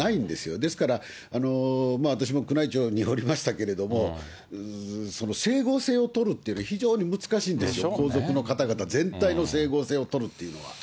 ですから、私も宮内庁におりましたけれども、整合性を取るっていうのは非常に難しいんですよ、皇族の方々全体の整合性を取るっていうのは。